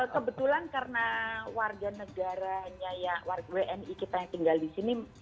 kebetulan karena warga negaranya ya wni kita yang tinggal di sini